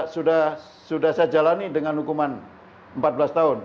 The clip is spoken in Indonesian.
sudah saya jalani dengan hukuman empat belas tahun